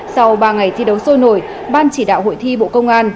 sau ba ngày thi đấu sôi nổi ban chỉ đạo hội thi bộ công an